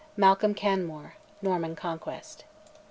MALCOLM CANMORE NORMAN CONQUEST.